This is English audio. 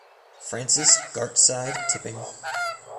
Francis Gartside Tipping.